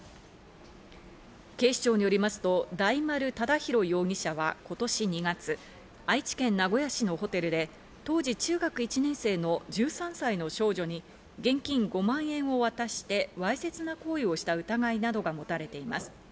警視庁によりますと大丸侃広容疑者は今年２月、愛知県名古屋市のホテルで当時、中学１年生の１３歳の少女に現金５万円を渡して、わいせつな行為をした疑いなどが持たれています。